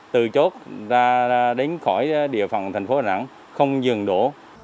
từ chốt ra đến khỏi địa phòng thành phố đà nẵng không dừng đổ